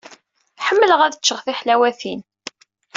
Ḥemmleɣ ad ččeɣ tiḥlawatin.